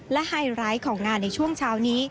และไฮไลท์ของงานในช่วงเช้านี้